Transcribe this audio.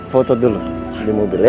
foto dulu di mobil ya